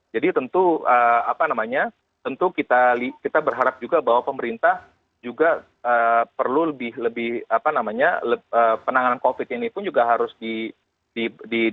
jadi tentu kita berharap juga bahwa pemerintah juga perlu lebih penanganan covid ini pun juga harus diperhatikan